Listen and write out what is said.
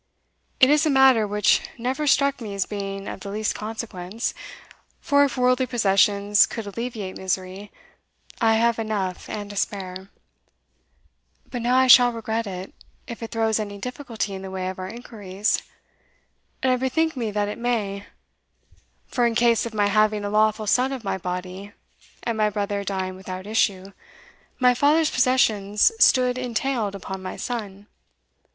It is a matter which never struck me as being of the least consequence for if worldly possessions could alleviate misery, I have enough and to spare. But now I shall regret it, if it throws any difficulty in the way of our inquiries and I bethink me that it may; for in case of my having a lawful son of my body, and my brother dying without issue, my father's possessions stood entailed upon my son.